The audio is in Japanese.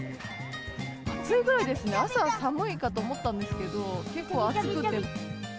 暑いぐらいですね、朝は寒いかと思ったんですけど、結構暑くて。